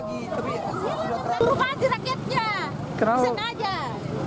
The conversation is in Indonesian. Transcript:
berupa antiraketnya bisa saja